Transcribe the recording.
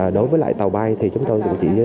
đối với lại tàu bay thì chúng tôi cũng chỉ